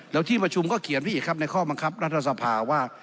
แล้วที่ประชุมก็เขียนไว้อีกครับในข้อบังคับรัฐสภาว่า